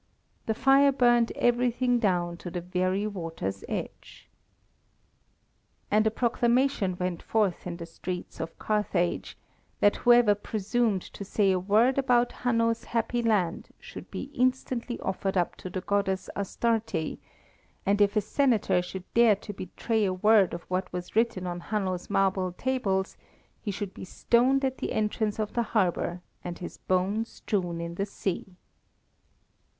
The fire burned everything down to the very water's edge. And a proclamation went forth in the streets of Carthage, that whoever presumed to say a word about Hanno's happy land should be instantly offered up to the goddess Astarte, and if a Senator should dare to betray a word of what was written on Hanno's marble tables, he should be stoned at the entrance of the harbour, and his bones strewn in the sea.